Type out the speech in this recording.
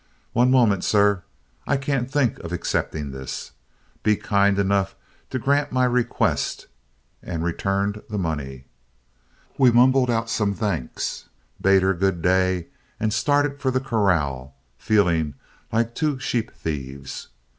'One moment, sir; I can't think of accepting this. Be kind enough to grant my request,' and returned the money. We mumbled out some thanks, bade her good day, and started for the corral, feeling like two sheep thieves.